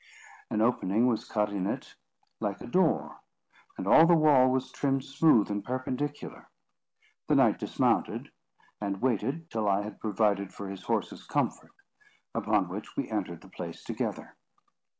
An opening was cut in it like a door, and all the wall was trimmed smooth and perpendicular. The knight dismounted, and waited till I had provided for his horse's comfort; upon which we entered the place together.